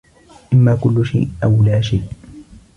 اما كل شيء او لا شيء